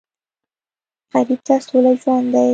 غریب ته سوله ژوند دی